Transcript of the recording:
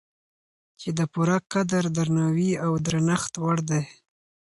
چې د پوره قدر، درناوي او درنښت وړ دی